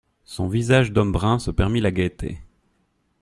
Son visage d'homme brun se permit la gaieté.